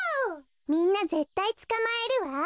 みんなぜったいつかまえるわ。